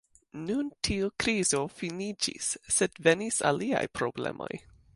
Nun tiu krizo finiĝis, sed venis aliaj problemoj.